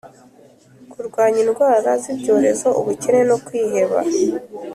Kurwanya indwara z ibyorezo ubukene no kwiheba